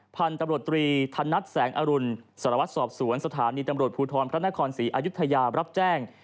พันธุ์ตำรวจตรีธนัดแสงอรุณสารวัตรสอบสวนสถานีตำรวจภูทรพระนครศรีอายุทยารับแจ้ง